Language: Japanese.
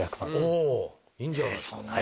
おぉいいんじゃないですか。